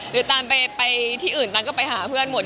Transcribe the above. ตันไปที่อื่นตันก็ไปหาเพื่อนหมด